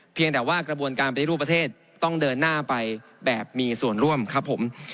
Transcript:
เพียงแต่ว่ากระบวนการปฏิรูปประเทศต้องเดินหน้าไปแบบมีส่วนร่วมครับผม